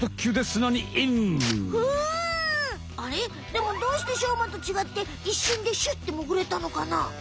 でもどうしてしょうまとちがって一瞬でシュってもぐれたのかな？